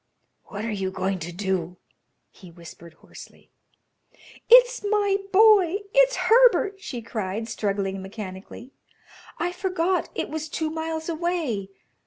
"What are you going to do?" he whispered hoarsely. "It's my boy; it's Herbert!" she cried, struggling mechanically. "I forgot it was two miles away.